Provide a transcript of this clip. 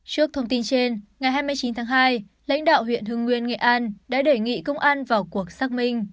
trước thông tin trên ngày hai mươi chín tháng hai lãnh đạo huyện hưng nguyên nghệ an đã đề nghị công an vào cuộc xác minh